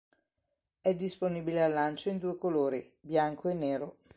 È disponibile al lancio in due colori, bianco e nero.